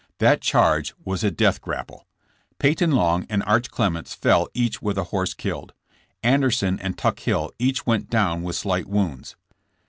That charge was a death grap ple. Peyton Long and Arch Clements fell each with a horse killed. Anderson and Tuck Hill each went down with slight wounds.